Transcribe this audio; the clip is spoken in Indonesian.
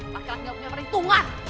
pakai anggapnya perhitungan